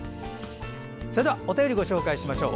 それではお便りご紹介しましょう。